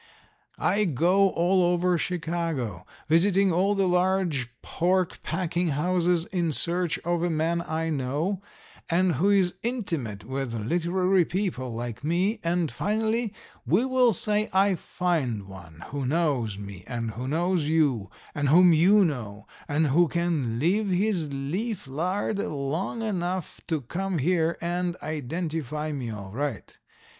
I go all over Chicago, visiting all the large pork packing houses in search of a man I know, and who is intimate with literary people like me, and finally we will say I find one who knows me and who knows you, and whom you know, and who can leave his leaf lard long enough to come here and identify me all right.